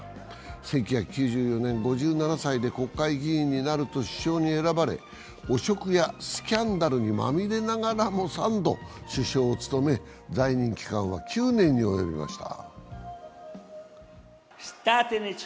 １９９４年、５７歳で国会議員になると首相に選ばれ、汚職やスキャンダルにまみれながらも３度、首相を務め、在任期間は９年に及びました。